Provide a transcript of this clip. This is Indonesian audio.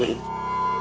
pursihin dulu yuk